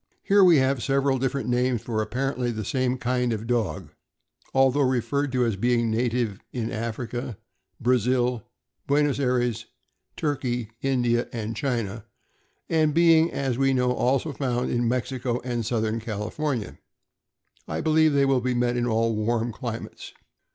Here we have several different names for apparently the same kind of dog; for, although referred to as being native in Africa, Brazil, Buenos Ay res, Turkey, India, and China, and being, as we know, also found in Mexico and Southern California, I believe they will be met in all warm climates.